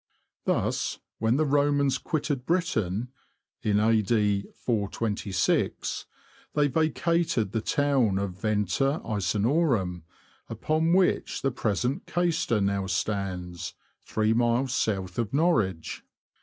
Thus, when the Romans quitted Britain, A.D. 426, they vacated the town of Venta Icenorum, upon which the present Caister now stands, three miles south of Norwich.